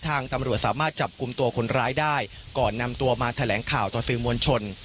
ทางตำรวจสามารถจับกลุ่มตัวคนร้ายได้ก่อนนำตัวมาแถลงข่าวต่อสื่อมวลชน